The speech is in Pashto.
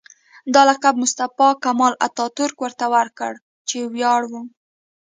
دا لقب مصطفی کمال اتاترک ورته ورکړ چې یو ویاړ و.